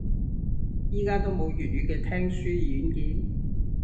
而家都冇粵語嘅聽書軟件